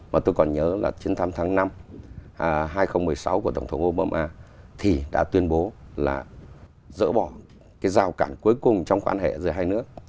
mà tôi còn nhớ là chiến thắng tháng năm hai nghìn một mươi sáu của tổng thống obama thì đã tuyên bố là dỡ bỏ cái rào cản cuối cùng trong quan hệ giữa hai nước